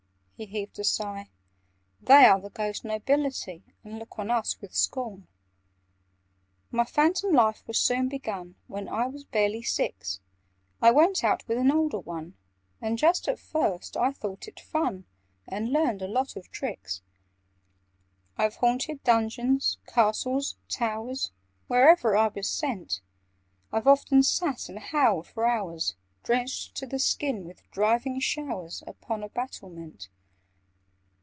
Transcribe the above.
(He heaved a sigh.) "They are the ghost nobility, And look on us with scorn. "My phantom life was soon begun: When I was barely six, I went out with an older one— And just at first I thought it fun, And learned a lot of tricks. "I've haunted dungeons, castles, towers— Wherever I was sent: I've often sat and howled for hours, Drenched to the skin with driving showers, Upon a battlement.